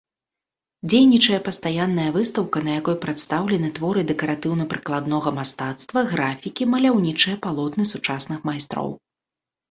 Дзейнічае пастаянная выстаўка, на якой прадстаўлены творы дэкаратыўна-прыкладнога мастацтва, графікі, маляўнічыя палотны сучасных майстроў.